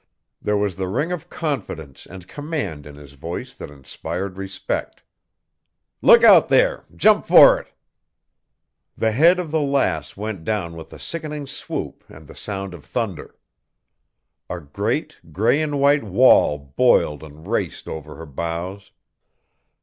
There was the ring of confidence and command in his voice that inspired respect. "Look out there! Jump for it!" The head of the Lass went down with a sickening swoop and the sound of thunder. A great, gray and white wall boiled and raced over her bows.